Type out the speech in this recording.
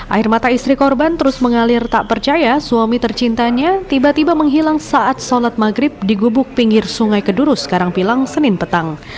air mata istri korban terus mengalir tak percaya suami tercintanya tiba tiba menghilang saat sholat maghrib di gubuk pinggir sungai kedurus karangpilang senin petang